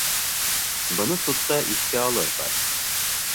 Быны судта иҫкә алырбыҙ.